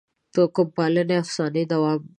توکم پالنې افسانې دوام وکړ.